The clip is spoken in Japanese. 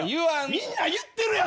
みんな言ってるやん。